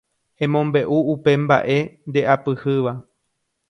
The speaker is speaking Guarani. Emombe'u upe mba'e ndeapyhýva.